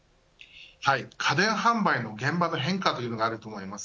家電販売の現場の変化というのがあると思います。